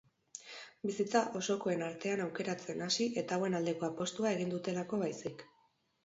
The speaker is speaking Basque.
Bizitza osokoen artean aukeratzen hasi eta hauen aldeko apostua egin dutelako baizik.